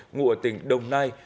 ngụ ở tỉnh đồng nai